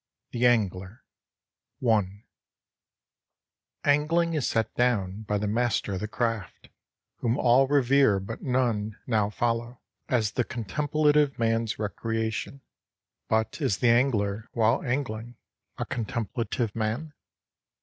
XVII THE ANGLER I Angling is set down by the master of the craft, whom all revere but none now follow, as the Contemplative Man's Recreation; but is the angler, while angling, a contemplative man?